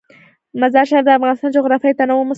مزارشریف د افغانستان د جغرافیوي تنوع مثال دی.